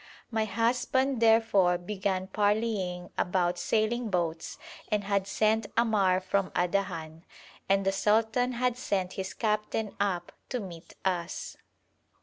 My husband therefore began parleying about sailing boats and had sent Ammar from Adahan, and the sultan had sent his captain up to meet us.